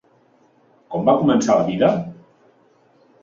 Com va començar la vida?